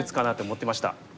思ってました？